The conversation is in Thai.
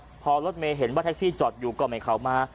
พวกเขาเพราะว่ารถเมย์เห็นว่าแท็กซี่จอดอยู่ก่อนไหนเข้ามา